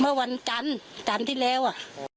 เมื่อวันจันทร์จันทร์ที่แล้วอ่ะ